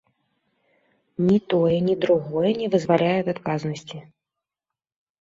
Ні тое, ні другое не вызваляе ад адказнасці.